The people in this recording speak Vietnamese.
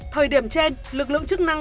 thời điểm trên lực lượng chức năng